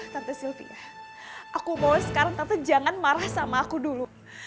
tante sylvia aku boleh sekarang tante jangan marah sama aku dulu